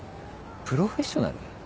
プロフェッショナル？